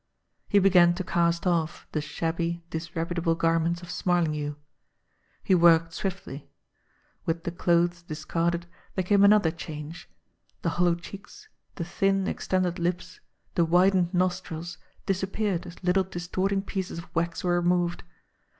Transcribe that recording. He began to cast off the shabby, disreputable garments of Smarlinghue. He worked swiftly. With the clothes dis carded, there came another change. The hollow cheeks, the thin, extended lips, the widened nostrils disappeared as little distorting pieces of wax were removed.